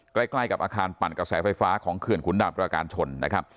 ใกล้กับอาคารปั่นกระแสไฟฟ้าของเขื่อนขุนด่านประการชนนะครับ